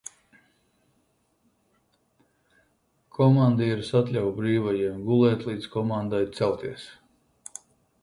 "Komandieris atļauj brīvajiem gulēt līdz komandai "celties"."